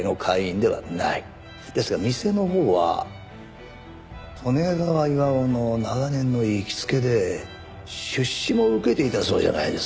ですが店のほうは利根川巌の長年の行きつけで出資も受けていたそうじゃないですか。